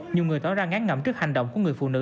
nhiều người tỏ ra ngán ngẩm trước hành động của người phụ nữ